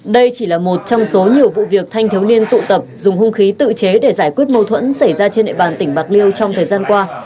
đây chỉ là một trong số nhiều vụ việc thanh thiếu niên tụ tập dùng hung khí tự chế để giải quyết mâu thuẫn xảy ra trên địa bàn tỉnh bạc liêu trong thời gian qua